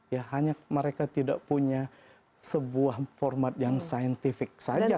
ya hanya mereka tidak punya sebuah format yang saintifik saja